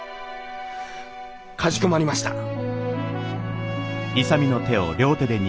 かしこまりました。